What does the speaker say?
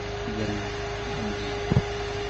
Imdanen-a d Ihendiyen.